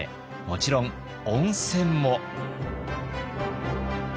もちろん温泉も。